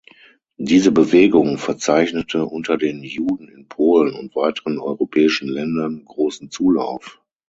Diese Bewegung verzeichnete unter den Juden in Polen und weiteren europäischen Ländern großen Zulauf.